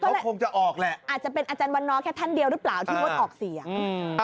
ถูกต้องก็เลยอาจจะเป็นอาจารย์วันน้อยแค่ท่านเดียวหรือเปล่าที่งดออกเสียง